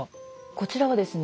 こちらはですね